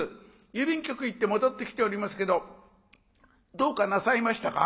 郵便局行って戻ってきておりますけどどうかなさいましたか？」。